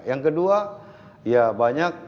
yang kedua ya banyak